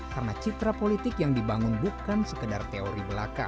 karena citra politik yang dibangun bukan sekedar teori